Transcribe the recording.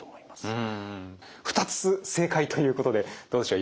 ２つ正解ということでどうでしょう？